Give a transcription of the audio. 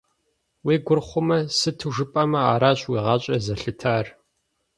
Уи гур хъумэ, сыту жыпӀэмэ аращ уи гъащӀэр зэлъытар.